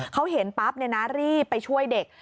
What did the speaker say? เขาเห็นปั๊บรีบไปช่วยเด็ก